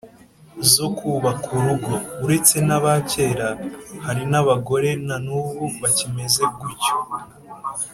zo kubaka urugo. uretse n’aba kera, hari n’abagore na nubu bakimeze gutyo